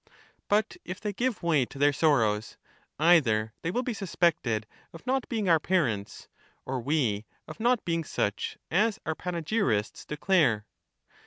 But if they give way to their sorrows, either they will be suspected of not being our parents, or we of not being such as our panegyrists declare.